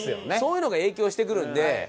そういうのが影響してくるんで。